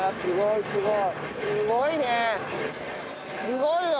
すごいよ！